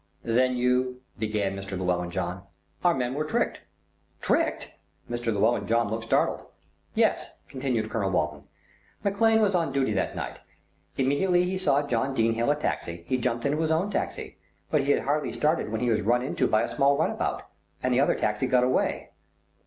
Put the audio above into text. "Then you " began Mr. Llewellyn John. "Our men were tricked." "Tricked!" Mr. Llewellyn John looked startled. "Yes," continued Colonel Walton. "McLean was on duty that night. Immediately he saw John Dene hail a taxi, he jumped into his own taxi; but he had hardly started when he was run into by a small runabout, and the other taxi got away."